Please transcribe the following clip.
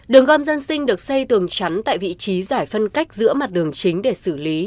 đường gom dân sinh được xây tường chắn tại vị trí giải phân cách giữa mặt đường chính để xử lý